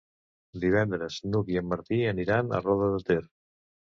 Divendres n'Hug i en Martí aniran a Roda de Ter.